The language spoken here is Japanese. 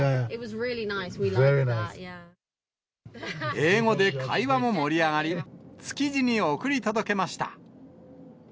英語で会話も盛り上がり、築地に送り届けました。